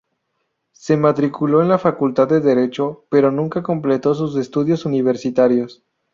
Se matriculó en la Facultad de Derecho, pero nunca completó sus estudios universitarios.